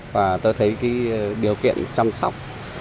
và tôi thấy điều kiện chăm sóc